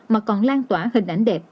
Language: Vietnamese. mà còn lan tỏa hình ảnh đẹp